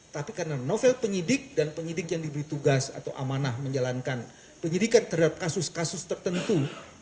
tapi karena novel penyidik dan penyidik yang diberi tugas atau amanah menjalankan penyidikan terhadap kasus kasus tertentu